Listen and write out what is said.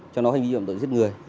cho nó hành vi phạm tội giết người